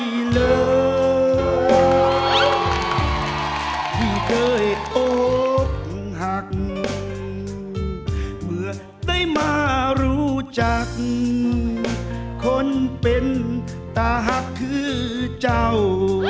ที่เลยที่เคยอกหักเมื่อได้มารู้จักคนเป็นตาหักคือเจ้า